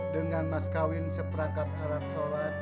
dengan mas kawin seperangkat haram sholat